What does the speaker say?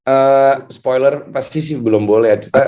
eh spoiler pasti sih belum boleh